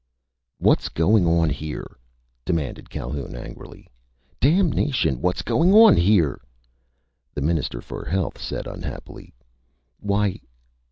"What's going on here?" demanded Calhoun angrily. "Damnation! What's going on here?" The Minister for Health said unhappily: "Why